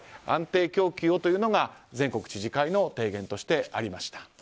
安定供給をというのが全国知事会の提言としてありました。